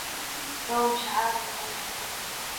توم شعر بالقوة.